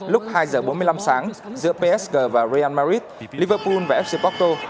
lúc hai h bốn mươi năm sáng giữa psg và real madrid liverpool và fc porto